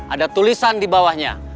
ada tulisan di bawahnya